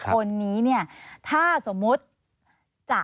๑๑คนนี้ถ้าสมมุติ